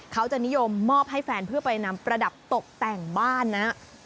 เขาจะนิยมมอบให้แฟนเพื่อไปนำประดับตกแต่งบ้านนะ